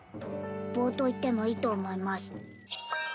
棒といってもいいと思います